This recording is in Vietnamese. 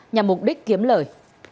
nhà mục đích kiếm lời